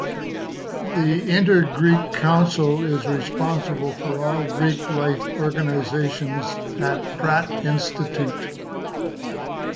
The Inter-Greek Council is responsible for all Greek life organizations at Pratt Institute.